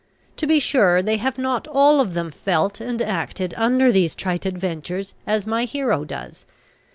[A] To be sure, they have not all of them felt and acted under these trite adventures as my hero does.